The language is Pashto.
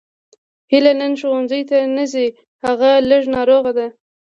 هیله نن ښوونځي ته نه ځي هغه لږه ناروغه ده